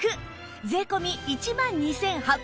税込１万２８００円